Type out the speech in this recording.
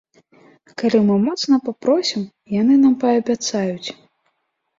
Калі мы моцна папросім, яны нам паабяцаюць.